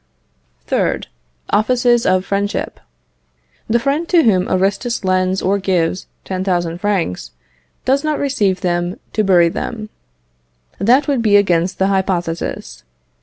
3rd. Offices of friendship. The friend to whom Aristus lends or gives 10,000 francs does not receive them to bury them; that would be against the hypothesis.